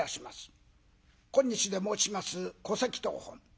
今日で申します戸籍謄本。